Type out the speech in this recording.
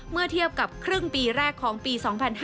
เมื่อเทียบกับครึ่งปีแรกของปี๒๕๕๙